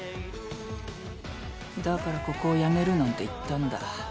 だからここを辞めるなんて言ったんだ。